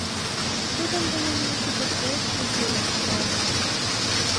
Тудын дене ме шукертсек икте-весым палена.